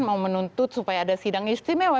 mau menuntut supaya ada sidang istimewa